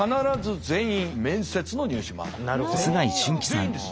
全員です。